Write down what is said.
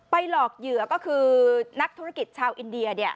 หลอกเหยื่อก็คือนักธุรกิจชาวอินเดีย